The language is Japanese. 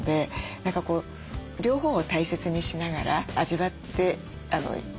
何かこう両方を大切にしながら味わって頂きたいと思います。